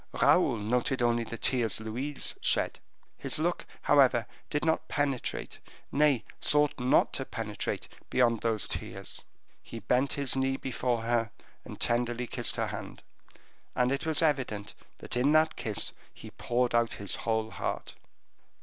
Raoul noted only the tears Louise shed; his look, however, did not penetrate nay, sought not to penetrate beyond those tears. He bent his knee before her, and tenderly kissed her hand; and it was evident that in that kiss he poured out his whole heart.